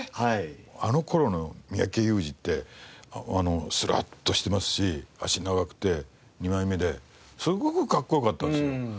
あの頃の三宅裕司ってスラッとしてますし脚長くて二枚目ですごくかっこよかったんですよ。